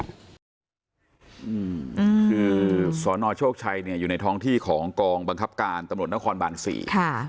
อืมคือสนโชคชัยเนี่ยอยู่ในท้องที่ของกองบังคับการตำรวจนครบานสี่ค่ะ